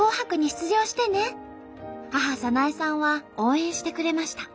母早苗さんは応援してくれました。